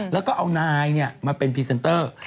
แล้วก็เอานายมาเป็นพรีเซนเตอร์